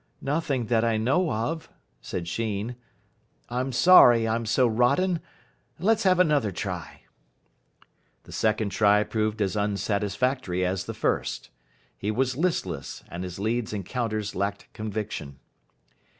"Nothing that I know of," said Sheen. "I'm sorry I'm so rotten. Let's have another try." The second try proved as unsatisfactory as the first. He was listless, and his leads and counters lacked conviction.